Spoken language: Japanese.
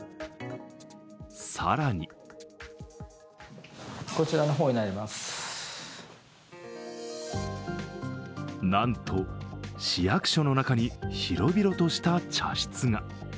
更になんと、市役所の中に広々とした茶室が。